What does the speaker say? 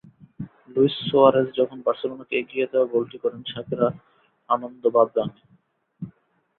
Luis Suarez যখন বার্সেলোনাকে এগিয়ে দেওয়া গোলটি করেন, শাকিরার আনন্দ বাধ ভাঙে।